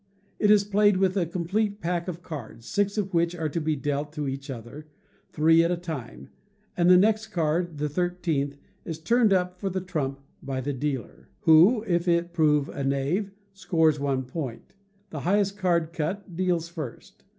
It is played with a complete pack of cards, six of which are to be dealt to each player, three at a time; and the next card, the thirteenth, is turned up for the trump by the dealer, who, if it prove a knave, scores one point. The highest card cut deals first.